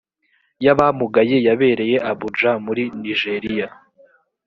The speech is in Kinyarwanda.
y abamugaye yabereye abuja muri nigeria